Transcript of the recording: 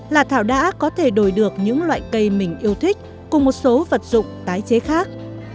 là thảo đã có thể đổi được những loại cây mình yêu thích cùng một số vật dụng tái chế khác